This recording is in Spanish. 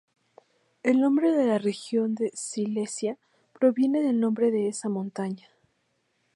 El nombre de la región de Silesia proviene del nombre de esa montaña.